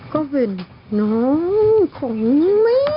ก็เป็นน้องของแม่